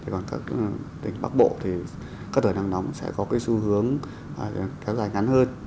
còn các tỉnh bắc bộ thì các đợt nắng nóng sẽ có cái xu hướng kéo dài ngắn hơn